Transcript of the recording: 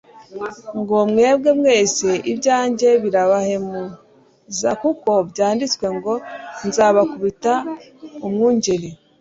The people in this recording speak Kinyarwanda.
ngo : "Mwebwe mwese ibyanjye birabahemuza kuko byanditswe ngo nzakubita umwungeri,